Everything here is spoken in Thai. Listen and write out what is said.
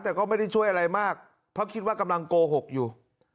แต่ก็ไม่ได้ช่วยอะไรมากเพราะคิดว่ากำลังโกหกอยู่